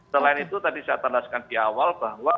selain itu tadi saya tandaskan di awal bahwa